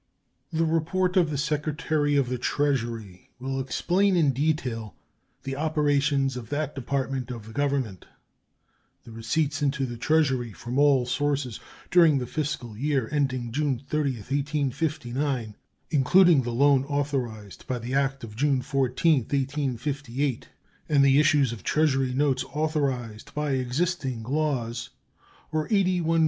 The report of the Secretary of the Treasury will explain in detail the operations of that Department of the Government. The receipts into the Treasury from all sources during the fiscal year ending June 30, 1859, including the loan authorized by the act of June 14, 1858, and the issues of Treasury notes authorized by existing laws, were $81,692,471.